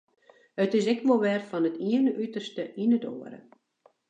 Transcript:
It is ek wol wer fan it iene uterste yn it oare.